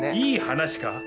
いい話か？